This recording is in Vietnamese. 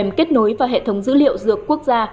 các nhà thuốc phải kết nối vào hệ thống dữ liệu dược quốc gia